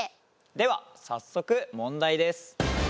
では早速問題です。